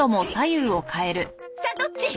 さあどっち？